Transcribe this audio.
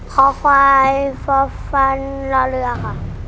คอควายฟอฟันรอเรือค่ะ